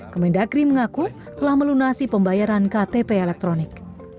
kemendagri mengaku telah melunasi pembayaran ktp elektronik